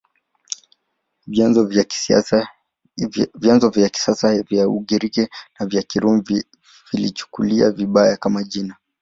Vyanzo vya kisasa vya Ugiriki na vya Kirumi viliichukulia vibaya, kama jina.